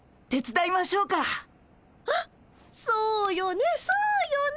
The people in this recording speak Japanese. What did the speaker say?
あっそうよねそうよね。